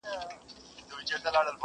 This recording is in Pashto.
یو له عربو بل له اېرانه,